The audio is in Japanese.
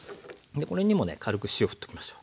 これにもね軽く塩ふっときましょう。